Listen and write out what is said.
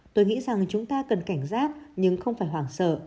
tôi nghĩ rằng chúng ta cần cảnh giác nhưng không phải hoảng sợ